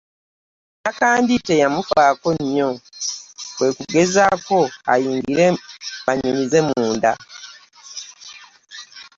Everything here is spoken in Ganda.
Nakandi teyamufaako nnyo kwe kugezaako ayingire banyumize munda.